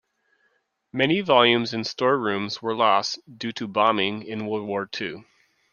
Many volumes in store rooms were lost due to bombing in World War Two.